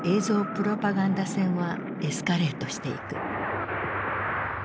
プロパガンダ戦はエスカレートしていく。